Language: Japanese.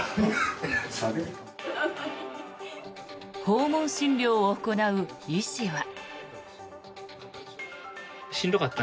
訪問診療を行う医師は。